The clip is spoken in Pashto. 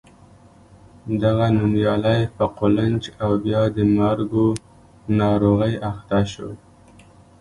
دغه نومیالی په قولنج او بیا د مرګو ناروغۍ اخته شو.